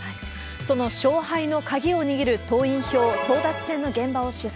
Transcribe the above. その勝敗の鍵を握る党員票争奪戦の現場を取材。